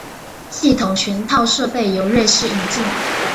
系统全套设备由瑞士引进。